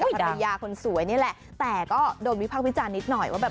ภรรยาคนสวยนี่แหละแต่ก็โดนวิพากษ์วิจารณนิดหน่อยว่าแบบ